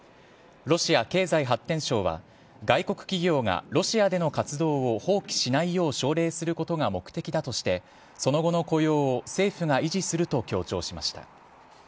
ロシア経済発展省は外国企業がロシアでの活動を放棄しないよう奨励することが目的だとしてその後の雇用を政府が維持すると強調しました。